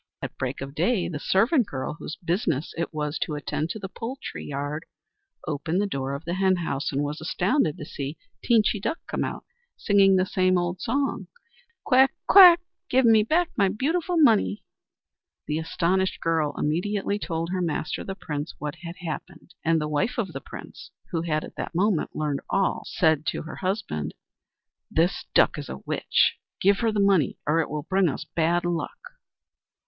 At break of day the servant girl, whose business it was to attend to the poultry yard, opened the door of the henhouse, and was astounded to see Teenchy Duck come out, singing the same old song: "Quack! quack! Give me back my beautiful money!" The astonished girl immediately told her master, the Prince, what had happened, and the wife of the Prince, who had at that moment learned all, said to her husband: "This Duck is a witch. Give her the money, or it will bring us bad luck."